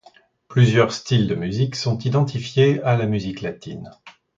Plusieurs styles de musique sont identifiés à la musique latine.